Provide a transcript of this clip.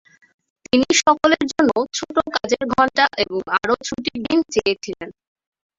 তিনি সকলের জন্য ছোটো কাজের ঘণ্টা এবং আরো ছুটির দিন চেয়েছিলেন।